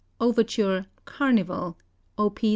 OVERTURE, "CARNIVAL": Op.